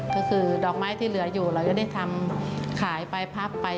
ก็คือดอกไม้ที่เหลืออยู่เราจะได้ทำขายไปพักไป